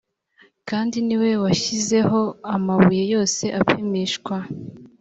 kandi ni we washyizeho amabuye yose apimishwa